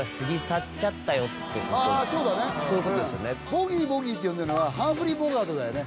ボギーボギーって呼んでるのはハンフリー・ボガートだよね